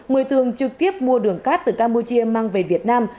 mười tường trực tiếp mua đường cát từ campuchia mang về việt nam